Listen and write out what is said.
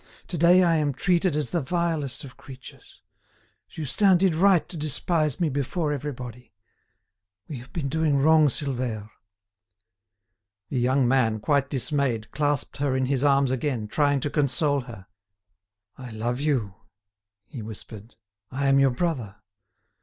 To day I am treated as the vilest of creatures. Justin did right to despise me before everybody. We have been doing wrong, Silvère." The young man, quite dismayed, clasped her in his arms again, trying to console her. "I love you," he whispered, "I am your brother.